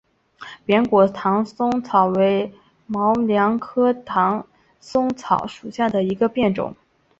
扁果唐松草为毛茛科唐松草属下的一个变种。